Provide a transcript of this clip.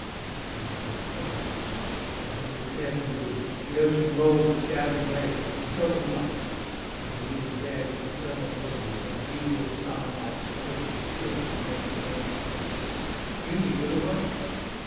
Ah dismal soul'd! The winds of heaven blew, the ocean roll'd Its gathering waves ye felt it not. The blue Bared its eternal bosom, and the dew Of summer nights collected still to make The morning precious: beauty was awake!